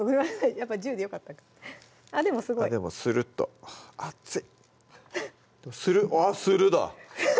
やっぱ１０でよかったかあっでもすごいあっでもスルっと熱いスルッあっスルだ